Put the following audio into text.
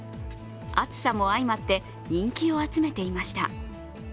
暑さも相まって人気を集めていました。